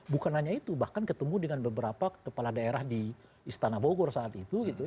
bukan hanya itu bahkan ketemu dengan beberapa kepala daerah di istana bogor saat itu gitu